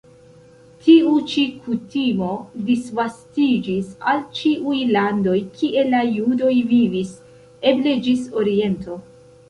Tiu ĉi kutimo disvastiĝis al ĉiuj landoj, kie la judoj vivis, eble ĝis Oriento.